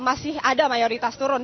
masih ada mayoritas turun